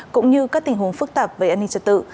cũng như các tình huống phức tạp về an ninh trật tự